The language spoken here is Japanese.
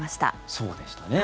そうでしたね。